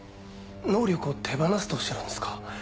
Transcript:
能力を手放すとおっしゃるんですか？